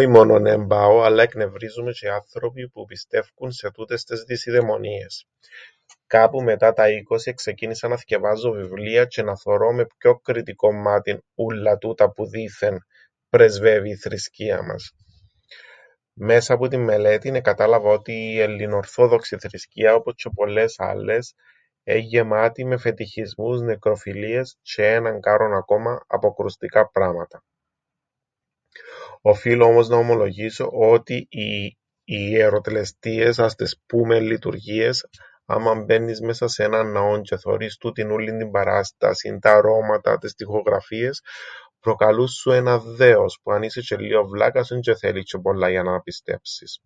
Οι μόνον εν πάω, αλλά εκνευρίζουν με τζ̆αι οι άνθρωποι που πιστεύκουν σε τούτες τες δεισιδαιμονίες. Κάπου μετά τα είκοσι εξεκίνησα να θκιαβάζω βιβλία τζ̆αι να θωρώ με πιο κριτικόν μμάτιν ούλλα τούτα που δήθεν πρεσβεύει η θρησκεία μας. Μέσα που την μελέτην εκατάλαβα ότι η ελληνορθόδοξη θρησκεία όπως τζ̆αι πολλές άλλες εν' γεμάτη με φετιχισμούς, νεκροφιλίες, τζ̆αι έναν κάρον ακόμα αποκρουστικά πράματα. Οφείλω να ομολογήσω ότι οι ιεροτελεστίες, ας τες πούμεν, λειτουργίες, άμαν μπαίννεις σε έναν ναό τζ̆αι θωρείς τούτην ούλλην την παράστασην, τα αρώματα, τες τοιχογραφίες, προκαλούν σου έναν δέος, που αν είσαι τζ̆αι λλίον βλάκας έντζ̆ε θέλεις τζ̆αι πολλά για να πιστέψεις.